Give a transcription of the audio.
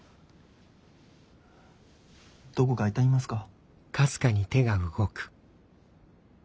どこか痛みますか？